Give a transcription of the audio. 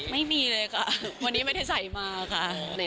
ไม่มีเลยค่ะวันนี้ไม่ได้ใส่มาค่ะ